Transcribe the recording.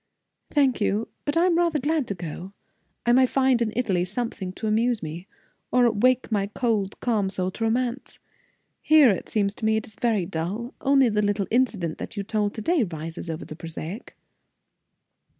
"Thank you. But I am rather glad to go. I may find in Italy something to amuse me, or wake my cold, calm soul to romance. Here, it seems to me, it is very dull. Only the little incident that you told to day rises over the prosaic."